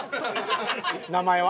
名前は？